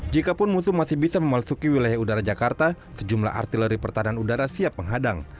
jikapun musuh masih bisa memasuki wilayah udara jakarta sejumlah artileri pertahanan udara siap menghadang